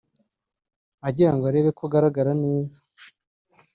agira ngo arebe ko agaragara neza